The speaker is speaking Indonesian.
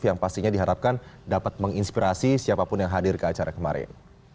yang pastinya diharapkan dapat menginspirasi siapapun yang hadir ke acara kemarin